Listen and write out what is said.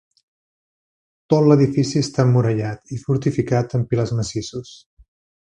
Tot l'edifici està emmurallat i fortificat amb pilars massissos.